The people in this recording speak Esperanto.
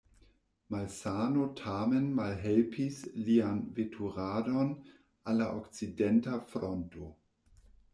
Malsano tamen malhelpis lian veturadon al la Okcidenta Fronto.